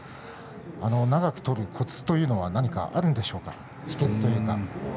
長く取るこつというのは何かあるんでしょうか、秘けつというか。